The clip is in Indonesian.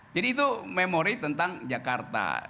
jadi itu memori tentang jakarta